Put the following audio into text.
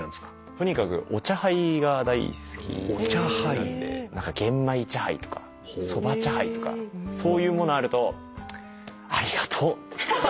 とにかくお茶ハイが大好きなんで玄米茶ハイとかそば茶ハイとかそういうものあるとありがとうって。